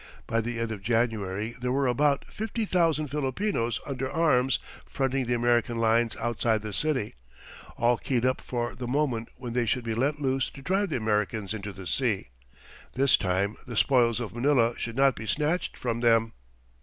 By the end of January there were about thirty thousand Filipinos under arms fronting the American lines outside the city, all keyed up for the moment when they should be let loose to drive the Americans into the sea. This time the spoils of Manila should not be snatched from them!